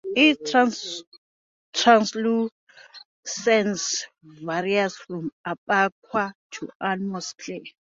Its translucence varies from opaque to almost clear.